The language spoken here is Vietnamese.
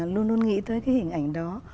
luôn luôn nghĩ tới cái hình ảnh đó